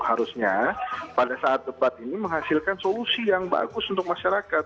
harusnya pada saat debat ini menghasilkan solusi yang bagus untuk masyarakat